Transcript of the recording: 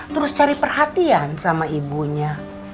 terus cari perhatian sama ibunya